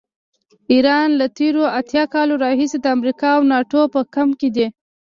ایران له تېرو اتیا کالو راهیسې د امریکا او ناټو په کمپ کې دی.